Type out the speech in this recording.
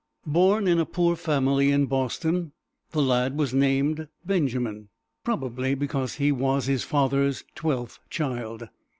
Born in a poor family in Boston, the lad was named Benjamin, probably because he was his father's twelfth child.